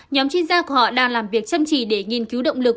nhóm chuyên gia của họ đang làm việc chăm chỉ để nghiên cứu động lực